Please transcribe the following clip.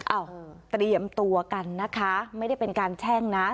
เตรียมตัวกันนะคะไม่ได้เป็นการแช่งนะ